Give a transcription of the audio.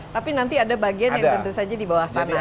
tapi nanti ada bagian yang tentu saja di bawah tanah